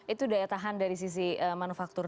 itu daya tahan dari sisi manufaktur